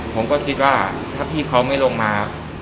ผมก็คิดว่าถ้าพี่เขาไม่ลงมา